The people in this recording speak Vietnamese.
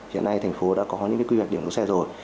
hiện nay thành phố đã có những quy hoạch điểm đỗ xe rồi